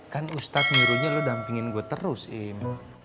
kan ustadz nyuruhnya lo dampingin gue terus im